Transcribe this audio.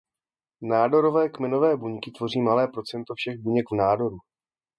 Nádorové kmenové buňky tvoří malé procento všech buněk v nádoru.